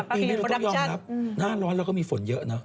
ปีนี้เราต้องยอมรับหน้าร้อนแล้วก็มีฝนเยอะนะ